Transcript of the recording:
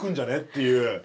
っていう。